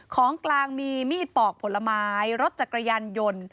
ของกลางมีมีดปอกผลไม้รถจักรยานยนต์